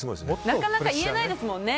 なかなか言えないですもんね。